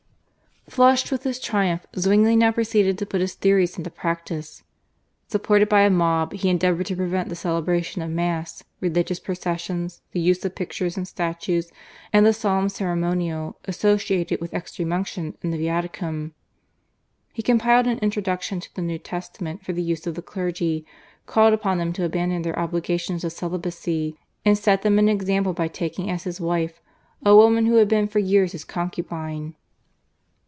Flushed with his triumph Zwingli now proceeded to put his theories into practice. Supported by a mob he endeavoured to prevent the celebration of Mass, religious processions, the use of pictures and statues, and the solemn ceremonial associated with Extreme Unction and the Viaticum. He compiled an introduction to the New Testament for the use of the clergy, called upon them to abandon their obligations of celibacy, and set them an example by taking as his wife a woman who had been for years his concubine.